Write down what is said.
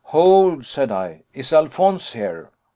"Hold," said I; "is Alphonse here?"